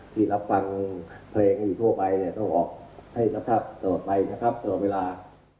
ที่รับฟังเพลงอยู่ทั่วไปต้องออกให้รับภาพต่อไปนะครับต่อเวลา